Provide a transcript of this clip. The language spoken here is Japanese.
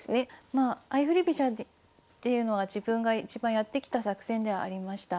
まあ相振り飛車っていうのは自分がいちばんやってきた作戦ではありました。